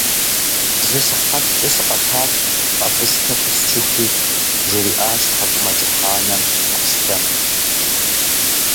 – Зы сыхьэткӀэ сыкъэтат къэбыстэ пысчыхуи, – жриӀащ ТхьэкӀумэкӀыхь анэм Аслъэным.